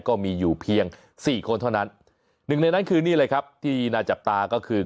ก็มีอยู่เพียงสี่คนเท่านั้นหนึ่งในนั้นคือนี่เลยครับที่น่าจับตาก็คือ